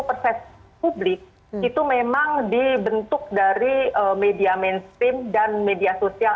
persepsi publik itu memang dibentuk dari media mainstream dan media sosial